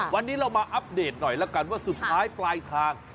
วันนี้เรามาอัปเดตหน่อยแล้วกันว่าสุดท้ายปลายทาง